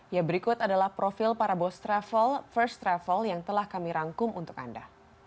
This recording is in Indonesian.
ya berikut adalah profil para bos travel first travel yang telah kami rangkum untuk anda